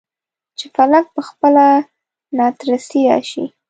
چې فلک پخپله ناترسۍ راشي.